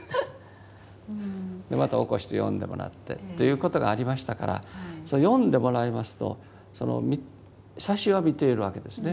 でまた起こして読んでもらってということがありましたから読んでもらいますと最初は見ているわけですね。